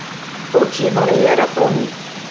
Ur tt-yeẓṛi ara Tom.